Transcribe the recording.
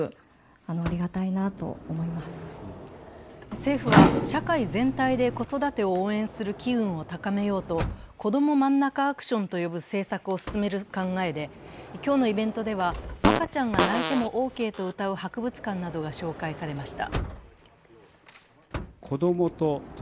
政府は、社会全体で子育てを応援する機運を高めようと、こどもまんなかアクションと呼ぶ政策を進める考えで、今日のイベントでは、赤ちゃんが泣いてもオーケーとうたう博物館などが紹介されました。